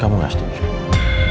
jangan lupa subscribe channel ini